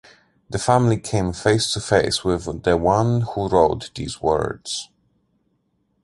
The family came face to face with the one who wrote these words.